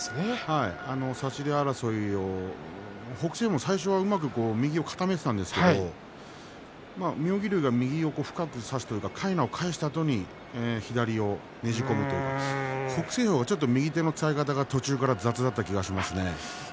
差し手争いを北青鵬も最初はうまく右を固めていったんですけど妙義龍が右を深く差してかいなを返したあとに左をねじ込むという北青鵬はちょっと右手の使い方が途中から雑だったような感じがしますね。